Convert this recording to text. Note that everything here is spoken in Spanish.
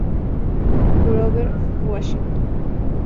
Grover Washington Jr.